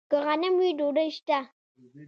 که غنم وي، ډوډۍ شته.